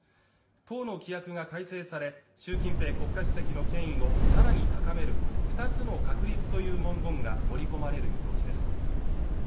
党の規約が改正され習近平国家主席の権威をさらに高める二つの確立という文言が盛り込まれる見通しです